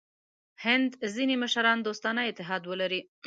هند ځیني مشران دوستانه اتحاد ولري.